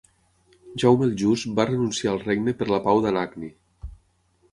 Jaume el Just va renunciar al regne per la pau d'Anagni.